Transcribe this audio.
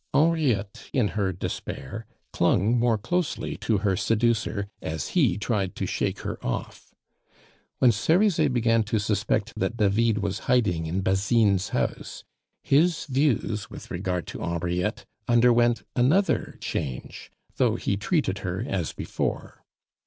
Henriette, in her despair, clung more closely to her seducer as he tried to shake her off. When Cerizet began to suspect that David was hiding in Basine's house, his views with regard to Henriette underwent another change, though he treated her as before.